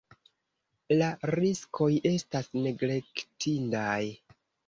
La riskoj estas neglektindaj.